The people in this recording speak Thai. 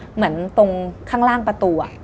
เหมือนตรงข้างล่างประตู